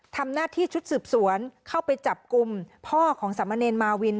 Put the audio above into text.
ทำหน้าที่ชุดสืบสวนเข้าไปจับกลุ่มพ่อของสามเณรมาวิน